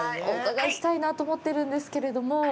お伺いしたいなと思ってるんですけれども。